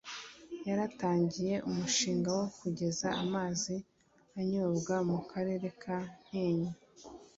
yaratangiye umushinga wo kugeza amazi anyobwa mu karere ka ntenyo